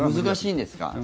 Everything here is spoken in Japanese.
難しいんですか？